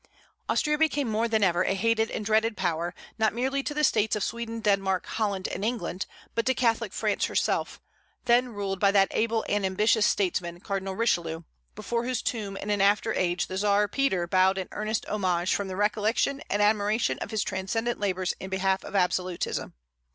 Austria became more than ever a hated and dreaded power, not merely to the States of Sweden, Denmark, Holland, and England, but to Catholic France herself, then ruled by that able and ambitious statesman Cardinal Richelieu, before whose tomb in an after age the czar Peter bowed in earnest homage from the recollection and admiration of his transcendent labors in behalf of absolutism.